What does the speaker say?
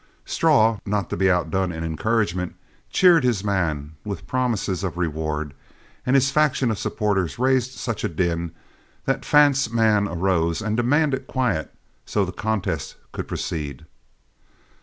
Straw, not to be outdone in encouragement, cheered his man with promises of reward, and his faction of supporters raised such a din that Fant's man arose, and demanded quiet so the contest could proceed.